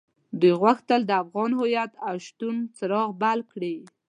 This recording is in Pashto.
دوی غوښتل د افغان هويت او شتون څراغ بل کړي.